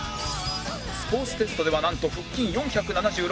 スポーツテストではなんと腹筋４７６回のハリー